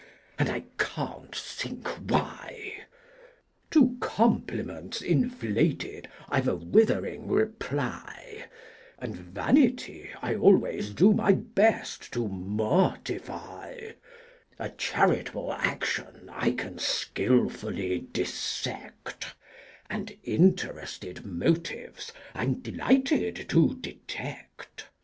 And I can't think why! To compliments inflated I've a withering reply; And vanity I always do my best to mortify; A charitable action I can skilfully dissect: And interested motives I'm delighted to detect.